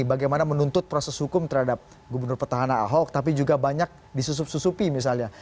bagaimana menuntut proses hukum terhadap gubernur petahana ahok tapi juga banyak disusup susupi misalnya